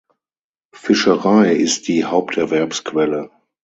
Fischerei ist die Haupterwerbsquelle.